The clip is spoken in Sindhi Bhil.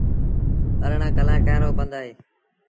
اَرڙآن ڪلآنڪآن رو پنڌ اهي۔